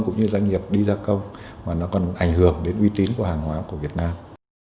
cũng như doanh nghiệp đi gia công mà nó còn ảnh hưởng đến uy tín của hàng hóa của việt nam